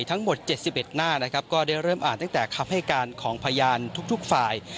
ทั้งหมด๗๑หน้านะครับก็ได้เริ่มอ่านตั้งแต่คำให้การของพยานทุกฝ่าย